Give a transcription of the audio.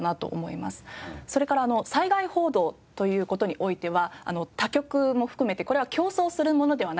それから災害報道という事においては他局も含めてこれは競争するものではないと。